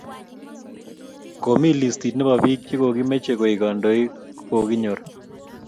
Komi listit nekopa bik che kimeche koeke kadoik ko kikinyor